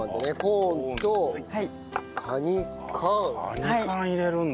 カニ缶入れるんだ。